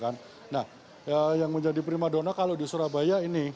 nah yang menjadi prima dona kalau di surabaya ini